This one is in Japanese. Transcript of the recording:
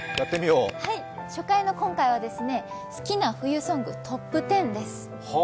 初回の今回は好きな冬ソングトップ１０です。